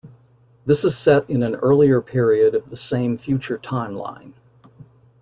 This is set in an earlier period of the same future timeline.